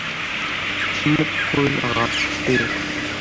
Temmuqqel ɣer deffir.